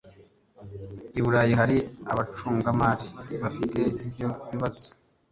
I Burayi hari abacungamari bafite ibyo bibazo